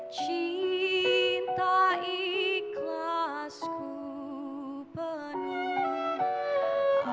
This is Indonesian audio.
cinta ikhlas ku penuh